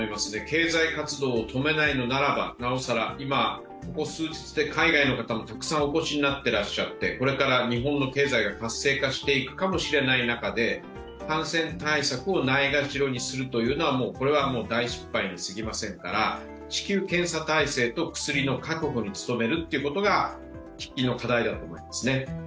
経済活動を止めないのならばなおさら、今、ここ数日で海外の方も、たくさんお越しになってらっしゃってこれから日本の経済が活性化していくかもしれない中で、感染対策をないがしろにするというのは大失敗になりますから至急、検査体制と、薬の確保に努めるということが喫緊の課題だと思います。